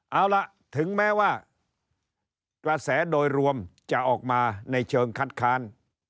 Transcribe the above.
เอาล่ะถึงแม้ว่ากระแสโดยรวมจะออกมาในเชิงคัดค้าน